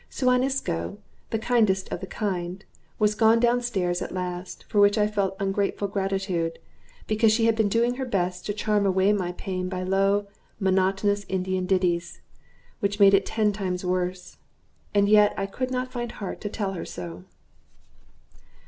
Suan Isco, the kindest of the kind, was gone down stairs at last, for which I felt ungrateful gratitude because she had been doing her best to charm away my pain by low, monotonous Indian ditties, which made it ten times worse; and yet I could not find heart to tell her so.